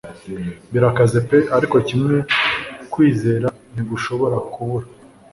Birakaze pe ariko kimwe kwizera ntigushobora kubura.